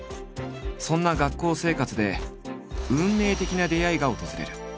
そんな学校生活で運命的な出会いが訪れる。